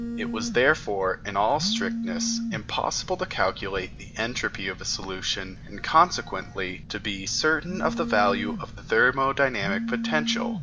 It was therefore, in all strictness, impossible to calculate the entropy of a solution, and consequently to be certain of the value of the thermodynamic potential.